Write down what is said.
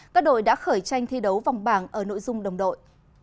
các đội đã khởi tranh thi đấu vòng bảng ở nội dung đồng đội